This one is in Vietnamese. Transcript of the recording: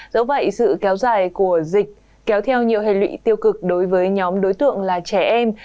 dẫu vậy sự kéo dài của dịch kéo theo nhiều hệ lụy tiêu cực đối với nhóm đối tượng là trẻ em